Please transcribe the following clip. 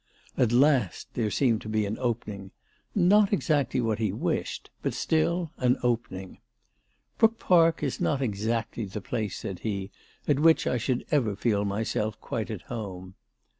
At last there seemed to be an opening, not exactly what he wished, but still an opening. "Brook Park is not exactly the place," said he, "at which I should ever feel myself quite at home."